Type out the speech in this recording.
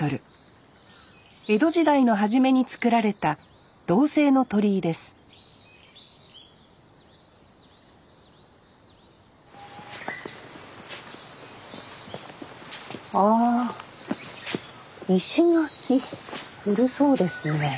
江戸時代の初めに造られた銅製の鳥居ですああ石垣古そうですね。